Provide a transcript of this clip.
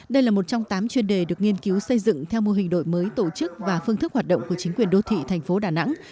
đây là một trong tám chuyên đề được nghiên cứu xây dựng theo mô hình đổi mới tổ chức và phương thức hoạt động của chính quyền đô thị thành phố đà nẵng